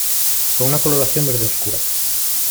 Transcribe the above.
Con una coloración verde obscura.